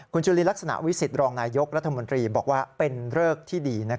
คุณจุลินลักษณะวิสิตรองนายยกรัฐมนตรีบอกว่าเป็นเริกที่ดี